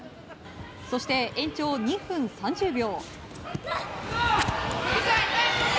そして、延長２分３０秒。